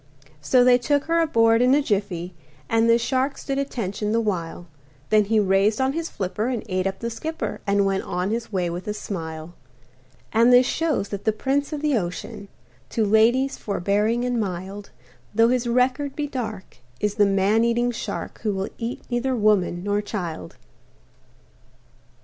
So they took her aboard in a jiffy, And the shark stood attention the while, Then he raised on his flipper and ate up the skipper And went on his way with a smile. And this shows that the prince of the ocean, To ladies forbearing and mild, Though his record be dark, is the man eating shark Who will eat neither woman nor child.